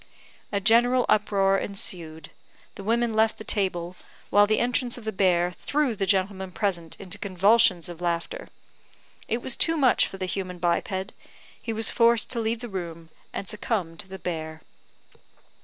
A general uproar ensued; the women left the table, while the entrance of the bear threw the gentlemen present into convulsions of laughter. It was too much for the human biped; he was forced to leave the room, and succumb to the bear.